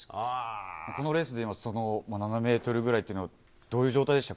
このレースでの７ｍぐらいというのはどういう状態でした？